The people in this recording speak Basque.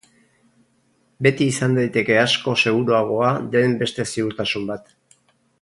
Beti izan daiteke asko seguruagoa den beste ziurtasun bat.